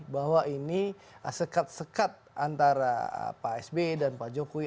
bahwa ini sekat sekat antara pak sb dan pak jokowi